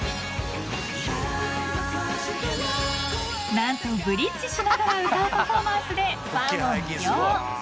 ［何とブリッジしながら歌うパフォーマンスでファンを魅了］